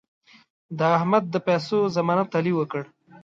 د احمد د پیسو ضمانت علي وکړ.